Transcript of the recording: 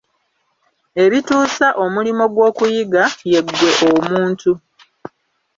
Ebituusa omulimo gw'okuyiga, ye ggwe omuntu.